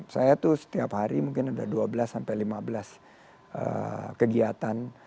saya tuh setiap hari mungkin ada dua belas sampai lima belas kegiatan